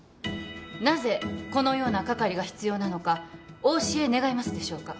なぜこのような係が必要なのかお教え願えますでしょうか？